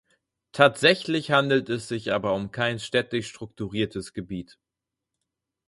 Tatsächlich handelt es sich aber um kein städtisch strukturiertes Gebiet.